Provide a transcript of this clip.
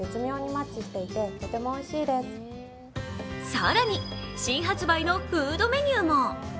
更に新発売のフードメニューも。